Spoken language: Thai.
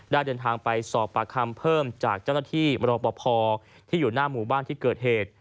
เดินทางไปสอบปากคำเพิ่มจากเจ้าหน้าที่มรปภที่อยู่หน้าหมู่บ้านที่เกิดเหตุ